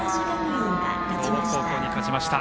東北高校に勝ちました。